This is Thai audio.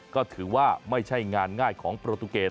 ก็ถือว่าไม่ใช่งานง่ายของโปรตูเกต